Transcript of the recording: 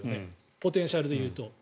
ポテンシャルで言うと。